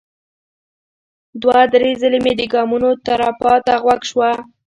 دوه ـ درې ځلې مې د ګامونو ترپا تر غوږ شوه.